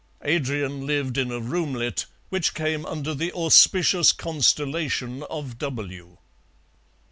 Adrian lived in a roomlet which came under the auspicious constellation of W.